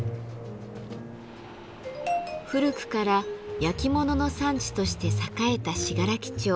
古くから焼き物の産地として栄えた信楽町。